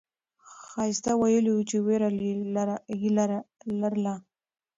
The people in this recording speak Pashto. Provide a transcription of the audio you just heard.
ښایسته ویلي وو چې ویره یې لرله.